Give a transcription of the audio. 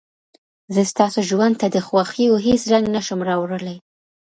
زه ستاسو ژوند ته د خوښيو هېڅ رنګ نه شم راوړلى.